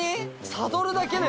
サドルだけで。